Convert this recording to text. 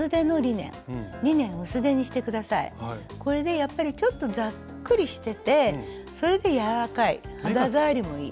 やっぱりちょっとザックリしててそれで柔らかい肌触りもいい。